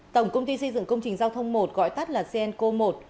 tổng công ty xây dựng công trình giao thông một gọi tắt là cnco một